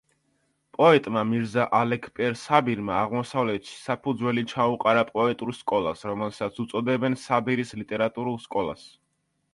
პოეტმა მირზა ალექპერ საბირმა აღმოსავლეთში საფუძველი ჩაუყარა პოეტურ სკოლას, რომელსაც უწოდებენ საბირის ლიტერატურულ სკოლას.